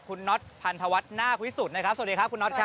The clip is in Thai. คุณน็อตพันธวัฒน์นาควิสุทธิ์นะครับสวัสดีครับคุณน็อตครับ